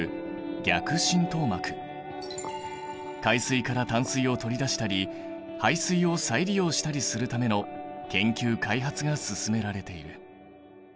海水から淡水を取り出したり廃水を再利用したりするための研究・開発が進められている。